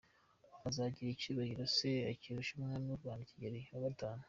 Uzagira icyubahiro se ukirushe umwami w’u Rwanda Kigeli V?